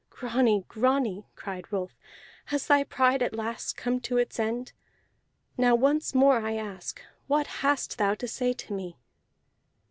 "Grani, Grani," cried Rolf, "has thy pride at last come to its end? Now once more I ask: What hast thou to say to me?